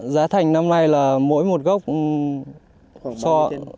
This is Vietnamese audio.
giá thành năm nay là mỗi một gốc so